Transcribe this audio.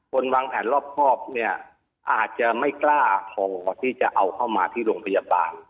วางแผนรอบครอบเนี่ยอาจจะไม่กล้าพอที่จะเอาเข้ามาที่โรงพยาบาล